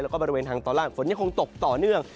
แล้วก็บริเวณทางตอนล่างฝนยังคงตกต่อเนื่อง